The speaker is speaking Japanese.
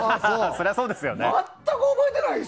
そりゃそうですよね。